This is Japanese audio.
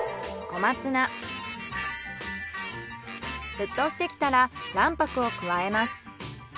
沸騰してきたら卵白を加えます。